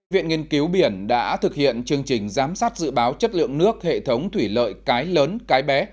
viện nghiên cứu biển đã thực hiện chương trình giám sát dự báo chất lượng nước hệ thống thủy lợi cái lớn cái bé